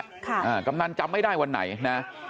อ่ากำนันจำไม่ได้วันไหนนะ